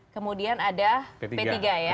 kemudian ada p tiga ya